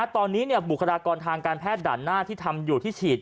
ตอนนี้บุคลากรทางการแพทย์ด่านหน้าที่ทำอยู่ที่ฉีด